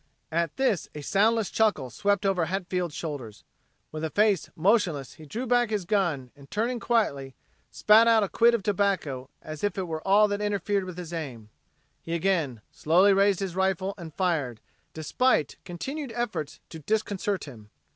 At this a soundless chuckle swept over Hatfield's shoulders. With a face motionless he drew backward his gun and turning quietly, spat out a quid of tobacco as if it were all that interfered with his aim. He again slowly raised his rifle and fired, despite continued efforts to disconcert him.